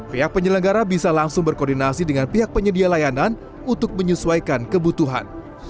pihak penyelenggara bisa langsung berkoordinasi dengan pihak penyedia layanan untuk menyesuaikan kebutuhan